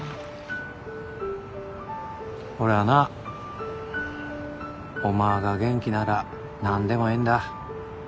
俺はなお前が元気なら何でもええんだ。